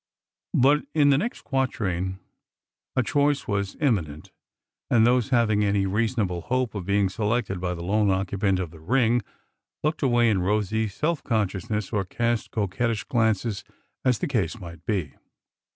But in the next quatrain a choice was imminent, and those having any reasonable hope of being selected by the lone occupant of the ring looked away in rosy self consciousness or cast coquettish glances, as the case might be.